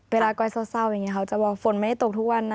ก้อยเศร้าอย่างนี้เขาจะบอกฝนไม่ได้ตกทุกวันนะ